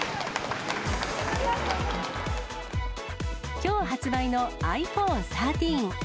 きょう発売のｉＰｈｏｎｅ１３。